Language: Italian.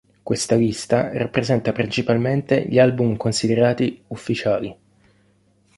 Questa lista rappresenta principalmente gli album considerati "ufficiali".